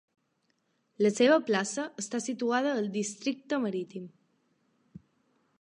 La seva plaça està situada al districte marítim.